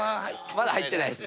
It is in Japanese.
まだ入ってないです。